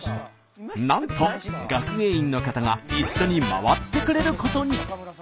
なんと学芸員の方が一緒に回ってくれることに。